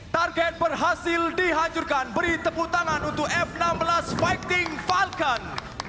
target berhasil dihancurkan beri tepuk tangan untuk f enam belas fighting falcon